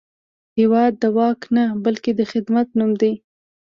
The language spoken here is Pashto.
هېواد د واک نه، بلکې د خدمت نوم دی.